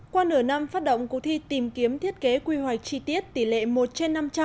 qua nửa năm phát động cuộc thi tìm kiếm thiết kế quy hoạch chi tiết tỷ lệ một trên năm trăm linh